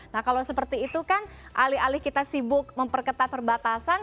nah kalau seperti itu kan alih alih kita sibuk memperketat perbatasan